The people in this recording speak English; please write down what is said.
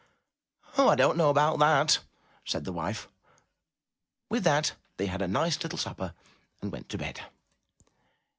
'* "Oh, I don*t know about that! said the wife. With that they had a nice little supper and went to bed.